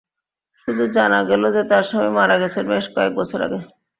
শুধু জানা গেল যে, তার স্বামী মারা গেছেন বেশ কয়েক বছর আগে।